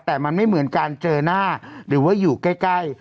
แต่มันไม่เหมือนการเจอหน้าหรือว่าอยู่ใกล้